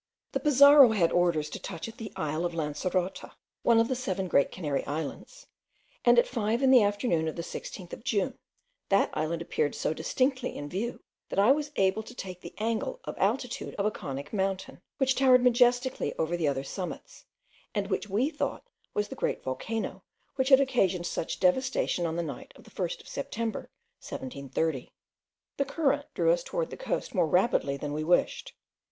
The Pizarro had orders to touch at the isle of Lancerota, one of the seven great Canary Islands; and at five in the afternoon of the 16th of June, that island appeared so distinctly in view that I was able to take the angle of altitude of a conic mountain, which towered majestically over the other summits, and which we thought was the great volcano which had occasioned such devastation on the night of the 1st of September, 1730. The current drew us toward the coast more rapidly than we wished.